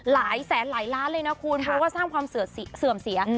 หลายแสนหลายล้านเลยนะคุณเพราะว่าสร้างความเสื่อมเสีย